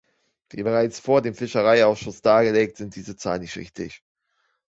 Wie bereits vor dem Fischereiausschuss dargelegt, sind diese Zahlen nicht richtig.